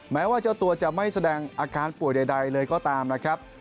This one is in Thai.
แม้ว่าเจ้าตัวจะไม่แสดงอาการป่วยใดเลยก็ตามนะครับ